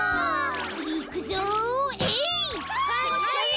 いくぞえい！